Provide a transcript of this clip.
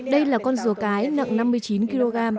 đây là con rùa cái nặng năm mươi chín kg